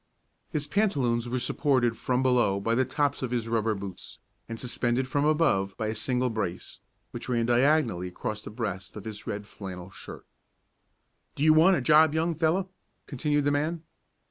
His pantaloons were supported from below by the tops of his rubber boots, and suspended from above by a single brace, which ran diagonally across the breast of his red flannel shirt. "Do you want a job, young fellow?" continued the man.